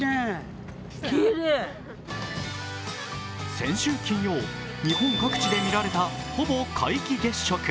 先週金曜、日本各地で見られたほぼ皆既月食。